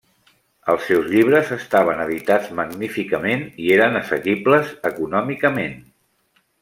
Els seus llibres estaven editats magníficament i eren assequibles econòmicament.